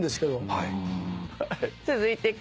はい。